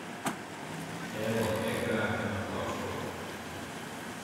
Dêr wol ik ek graach in applaus foar.